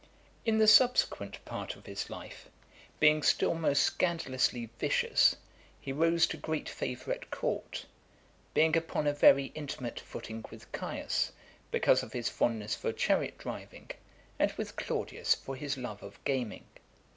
IV. In the subsequent part of his life, being still most scandalously vicious, he rose to great favour at court; being upon a very intimate footing with Caius [Caligula], because of his fondness for chariot driving, and with Claudius for his love of gaming.